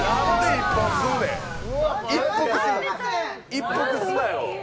一服すんなよ。